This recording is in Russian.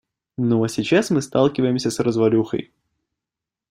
Ну а сейчас мы сталкиваемся с развалюхой.